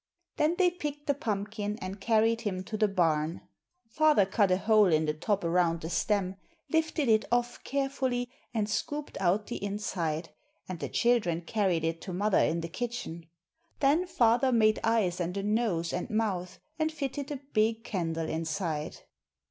Then they picked the pumpkin and carried him to the barn. Father cut a hole in the top around the stem, lifted it off carefully and scooped out the inside, and the children carried it to mother in the kitchen. Then father made eyes and a nose and mouth, and fitted a big candle inside.